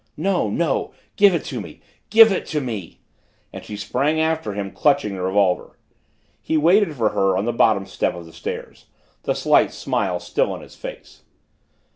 "No! No! Give it to me! Give it to me!" and she sprang after him, clutching the revolver. He waited for her on the bottom step of the stairs, the slight smile still on his face.